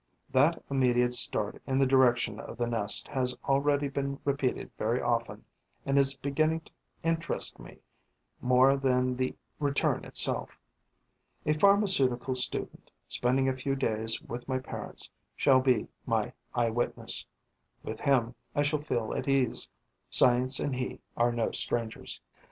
That immediate start in the direction of the nest has already been repeated very often and is beginning to interest me more than the return itself. A pharmaceutical student, spending a few days with my parents, shall be my eyewitness. With him, I shall feel at ease; science and he are no strangers.